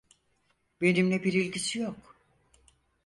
Benimle bir ilgisi yok.